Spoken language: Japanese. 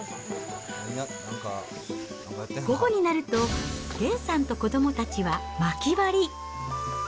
午後になると、げんさんと子どもたちはまき割り。